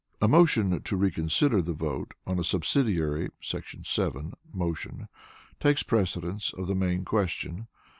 A motion to reconsider the vote on a Subsidiary [§ 7] motion takes precedence of the main question.